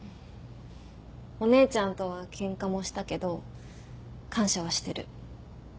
お姉ちゃんとはケンカもしたけど感謝はしてる。